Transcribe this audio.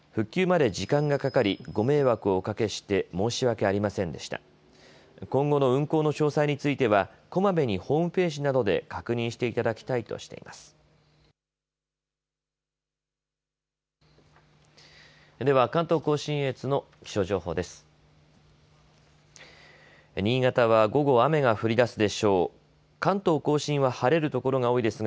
では関東甲信越の気象情報です。